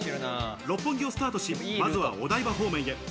六本木をスタートし、まずはお台場方面へ。